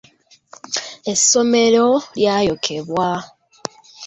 Essomero lya yokebwa.